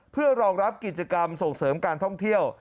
เพื่อรองรับกิจกรรมส่งเสริมการท่องเที่ยว